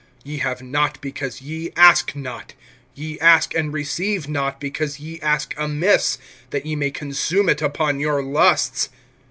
Ye have not, because ye ask not; (3)ye ask, and receive not, because ye ask amiss, that ye may consume it upon your lusts.